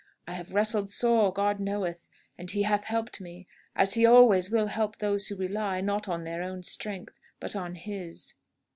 I have wrestled sore, God knoweth. And He hath helped me, as He always will help those who rely, not on their own strength, but on His!"